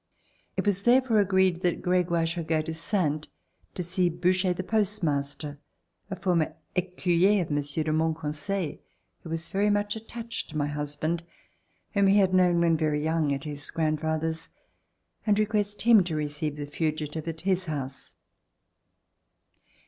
It was therefore agreed that Gregoire should go to Saintes to see Boucher, the postmaster, a former ecuyer of Monsieur de Monconseil, who was very much attached to my husband, whom he had known when very young at his grandfather's, and request him to receive the fugitive at his house.